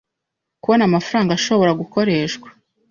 kubona amafaranga ashobora gukoreshwa